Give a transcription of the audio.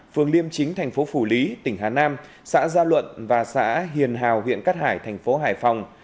phường liêm chính thành phố phủ lý tỉnh hà nam xã gia luận và xã hiền hào huyện cát hải thành phố hải phòng